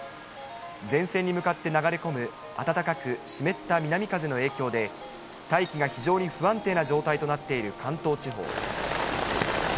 前線に向かって流れ込む暖かく湿った南風の影響で、大気が非常に不安定な状態となっている関東地方。